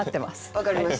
分かりました。